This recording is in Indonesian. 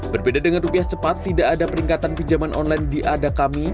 berbeda dengan rupiah cepat tidak ada peningkatan pinjaman online di ada kami